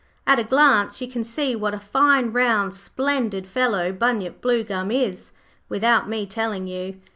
At a glance you can see what a fine, round, splendid fellow Bunyip Bluegum is, without me telling you.